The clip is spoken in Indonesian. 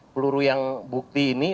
peluru yang bukti ini